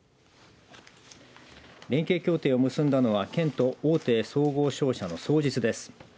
連携協定を結んだのは県と大手総合商社の双日です。